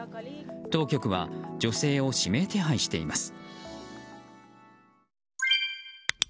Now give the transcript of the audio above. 当局は女性を指名手配しています。